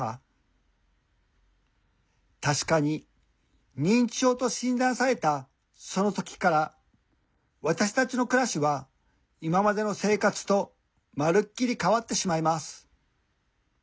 たしかに認知症と診断されたその時から私たちの暮らしは今までの生活とまるっきり変わってしまいます。